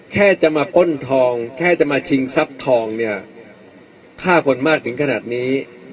แค่จะมาป้นทองแค่จะมาชิงทรัพย์ทองเนี่ยฆ่าคนมากถึงขนาดนี้